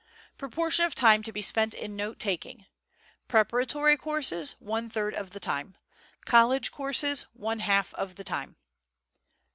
Proportion of time to be spent in note taking: Preparatory Courses, one third of the time. College Courses, one half of the time.